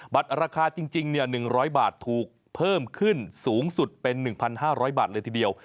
ราคาจริง๑๐๐บาทถูกเพิ่มขึ้นสูงสุดเป็น๑๕๐๐บาทเลยทีเดียว